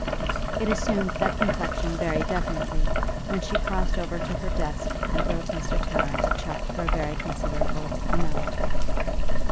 It assumed that complexion very definitely when she crossed over to her desk and wrote Mr. Tarrant a cheque for a very considerable amount.